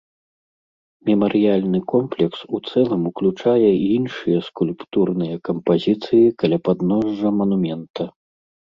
Мемарыяльны комплекс у цэлым уключае і іншыя скульптурныя кампазіцыі каля падножжа манумента.